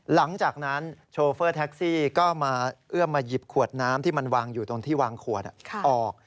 หลังจากนั้นโชเฟอร์แท็กซี่ก็มาเอื้อมมาหยิบขวดน้ำที่มันวางอยู่ตรงที่วางขวดออก